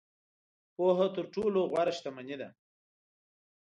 • پوهه تر ټولو غوره شتمني ده.